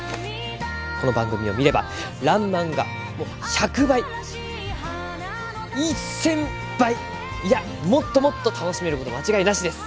この番組を見れば「らんまん」がもう１００倍１，０００倍いやもっともっと楽しめること間違いなしです！